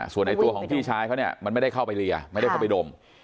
ส่วนไอ้ตัวของพี่ชายเขาเนี่ยมันไม่ได้เข้าไปเรียไม่ได้เข้าไปดม